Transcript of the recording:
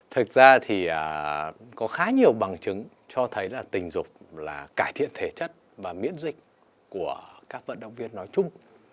thực ra thì có khá nhiều bằng chứng cho thấy là tình dục là cải thiện thể chất và miễn dịch của các vận động viên nói chung